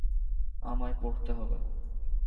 আমায় পড়তে হবে।